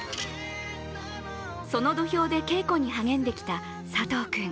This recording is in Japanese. その土俵で稽古に励んできた佐藤君。